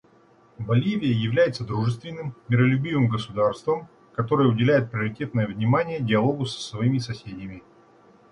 Боливия является дружественным, миролюбивым государством, которое уделяет приоритетное внимание диалогу со своими соседями.